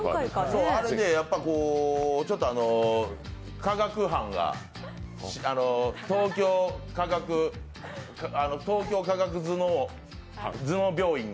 あれね、ちょっと科学班が東京科学頭脳病院が。